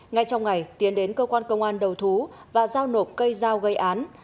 ngay trong ngày tiến đến cơ quan công an đầu thú và giao nộp cây dao gây án